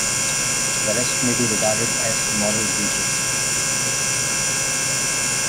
The rest may be regarded as moral breaches.